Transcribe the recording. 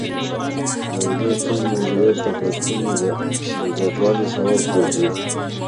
د اوبو سم مدیریت د فصلونو د زیاتوالي سبب ګرځي.